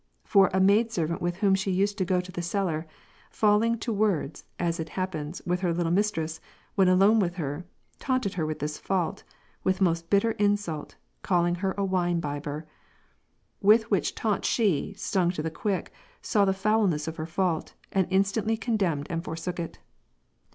For a maid servant with whom she used to go to the cellar, falling to words (as it happens) with her little mistress, when alone with her, taunted her wdth this fault, with most bitter insult, calling her wine bibber. With which taunt she, stung to the quick, saw the foulness of her fault, and instantly condemned and forsook it.